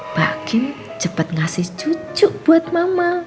mbak kim cepet ngasih cucu buat mama